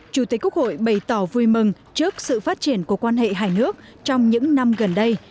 chủ tịch quốc hội bày tỏ vui mừng trước sự phát triển của quan hệ hai nước trong những năm gần đây